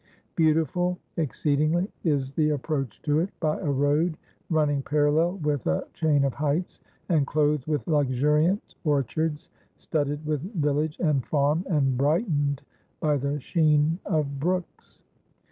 Beautiful exceedingly is the approach to it, by a road running parallel with a chain of heights, and clothed with luxuriant orchards, studded with village and farm, and brightened by the sheen of brooks.